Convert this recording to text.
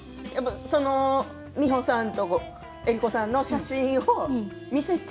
美穂さんと江里子さんの写真を見せて？